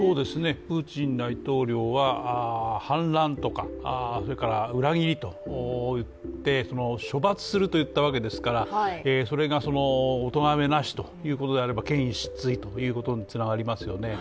プーチン大統領は反乱とか、それから裏切りといって処罰すると言ったわけですから、それがおとがめなしということであれば権威失墜ということにつながりますよね。